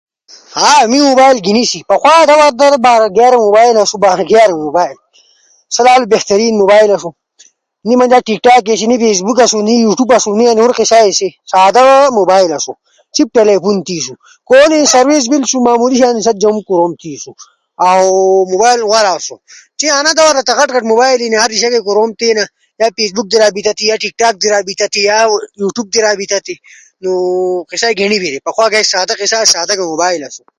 ہاں می موبائل گھینیشی، پخوا در گیارا بارا موبائل اسُو سو لالو بہترین موبائل اشُو، نا می تا ٹک ٹاکآسُو نا فیسبک نا یوٹیوب آشُو، نا تی ہور قصہ آشی سادا موبائل اسُو۔ چیں ٹیلیفون تھیسو، کونے سروس کم تھیسو تھیسو مامولی شانتی کوروم تھیسو سا لالو غورا موبائل آسُو۔ چیں انا دور در تا غٹ غٹ موبائلے اینی، ہر دیشا تی کوروم تھینا۔ یا فیسبک تی رابطہ تھی یا یوٹیوب در رابطہ تھی یا ٹک ٹاک در رابطہ تھی نو قصہ گھینسی، پخوائے وخ سادا قصہ اسی سادائے موبائل اسی۔